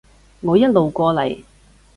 我一路過嚟